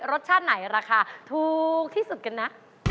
รสชาติไหนราคาถูกที่สุดกันนะ